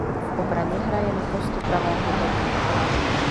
V obraně hraje na postu pravého beka.